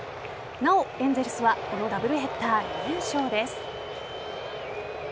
なお、エンゼルスはこのダブルヘッダー、２連勝です。